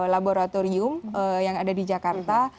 laboratorium yang ada di jakarta